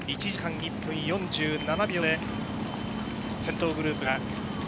１時間１分４７秒。